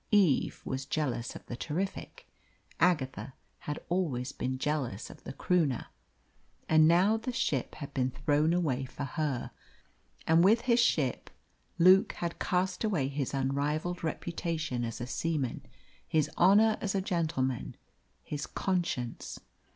Eve was jealous of the Terrific; Agatha had always been jealous of the Croonah. And now the ship had been thrown away for her, and with his ship Luke had cast away his unrivalled reputation as a seaman, his honour as a gentleman, his conscience.